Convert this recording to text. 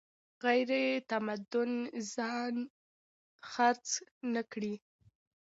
غیرتمند ځان خرڅ نه کړي